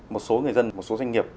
một số người dân một số doanh nghiệp